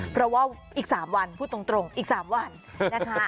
เพราะว่าอีก๓วันพูดตรงอีก๓วันนะคะ